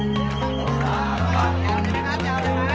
สุขภาพสุขภาพ